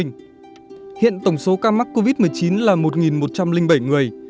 hiện tổng số ca mắc covid một mươi chín là một một trăm linh bảy người